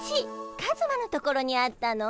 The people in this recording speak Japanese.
カズマのところにあったの？